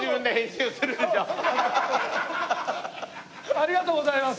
ありがとうございます。